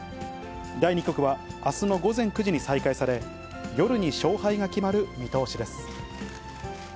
第２局はあすの午前９時に再開され、夜に勝敗が決まる見通しです。